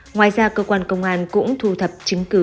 ngoài ra cơ quan công an cũng thu thập chứng cứ